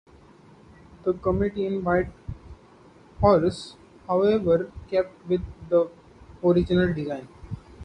The committee in Whitehorse however kept with the original design.